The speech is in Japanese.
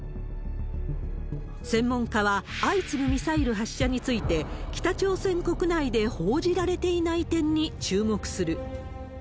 専門家は、相次ぐミサイル発射について、北朝鮮国内で報じられていない点に注目する。